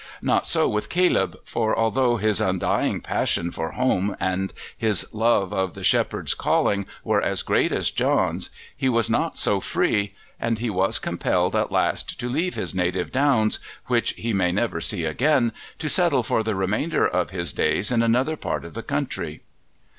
Not so with Caleb, for, although his undying passion for home and his love of the shepherd's calling were as great as John's, he was not so free, and he was compelled at last to leave his native downs, which he may never see again, to settle for the remainder of his days in another part of the country.